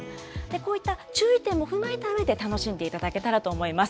こういった注意点も踏まえたうえで、楽しんでいただけたらと思います。